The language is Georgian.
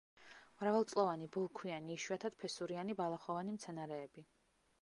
მრავალწლოვანი, ბოლქვიანი, იშვიათად ფესურიანი ბალახოვანი მცენარეები.